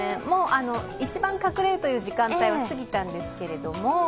一番隠れるという時間帯は過ぎたんですけれども。